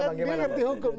dia kan dia ngerti hukum